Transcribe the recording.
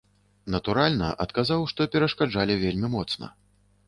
Натуральна, адказаў, што перашкаджалі вельмі моцна.